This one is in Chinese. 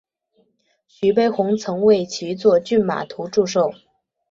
徐悲鸿曾为其作骏马图祝寿。